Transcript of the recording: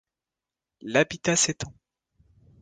L'habitat s'étend.